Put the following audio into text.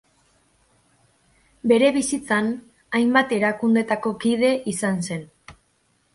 Bere bizitzan hainbat erakundetako kide izan zen.